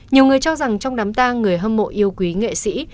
nhiều người cho rằng trong đám tang người hâm mộ yêu quý nghệ sĩ